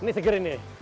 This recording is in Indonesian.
ini seger ini